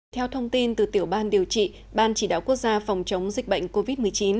theo thông tin từ tiểu ban điều trị ban chỉ đạo quốc gia phòng chống dịch bệnh covid một mươi chín